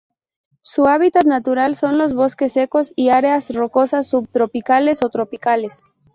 Su hábitat natural son los bosques secos y áreas rocosas subtropicales o tropicales.